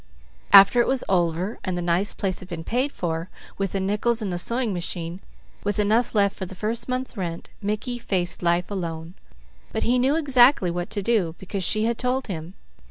After it was over and the nice place had been paid for, with the nickels and the sewing machine, with enough left for the first month's rent, Mickey faced life alone. But he knew exactly what to do, because she had told him.